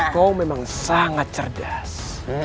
kau memang sangat cerdas